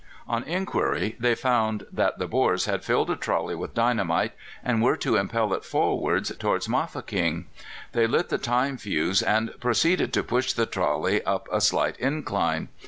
On inquiry, they found that the Boers had filled a trolley with dynamite, and were to impel it forwards towards Mafeking. They lit the time fuse, and proceeded to push the trolley up a slight incline.